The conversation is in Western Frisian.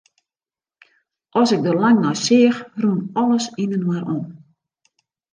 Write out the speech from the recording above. As ik der lang nei seach, rûn alles yninoar om.